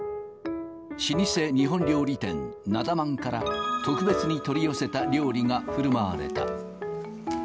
老舗日本料理店、なだ万から、特別に取り寄せた料理がふるまわれた。